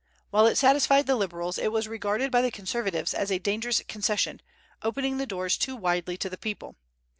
While it satisfied the Liberals, it was regarded by the Conservatives as a dangerous concession, opening the doors too widely to the people.